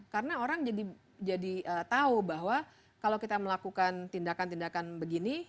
karena orang jadi tahu bahwa kalau kita melakukan tindakan tindakan begini